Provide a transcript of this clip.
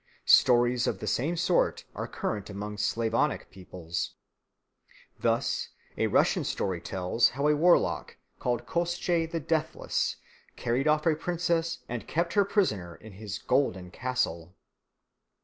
Stories of the same sort are current among Slavonic peoples. Thus a Russian story tells how a warlock called Koshchei the Deathless carried off a princess and kept her prisoner in his golden castle.